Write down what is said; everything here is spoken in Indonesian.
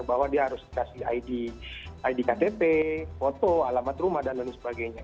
bahwa dia harus kasih id id ktp foto alamat rumah dan lain sebagainya